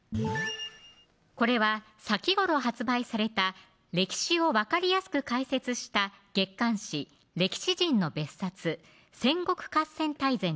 これは先頃発売された歴史を分かりやすく解説した月刊誌歴史人の別冊戦国合戦大全です